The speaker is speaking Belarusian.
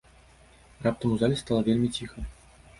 Раптам у зале стала вельмі ціха.